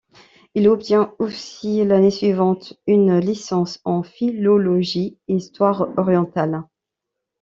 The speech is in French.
Il obtient aussi, l’année suivante, une licence en philologie et histoire orientales.